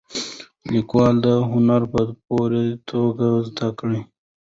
لیکوال دا هنر په پوره توګه زده دی.